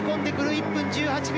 １分１８秒